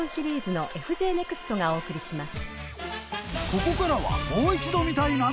［ここからは］